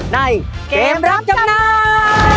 ในเกมรับจำนำ